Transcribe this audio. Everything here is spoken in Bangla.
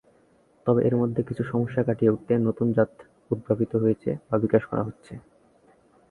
তবে এর মধ্যে কিছু সমস্যা কাটিয়ে উঠতে নতুন জাত উদ্ভাবিত হয়েছে বা বিকাশ করা হচ্ছে।